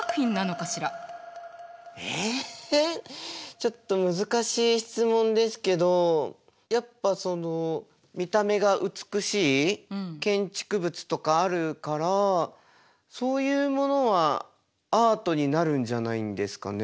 ちょっと難しい質問ですけどやっぱその見た目が美しい建築物とかあるからそういうものはアートになるんじゃないんですかね。